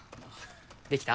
できた？